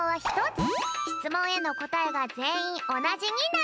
しつもんへのこたえがぜんいんおなじになること。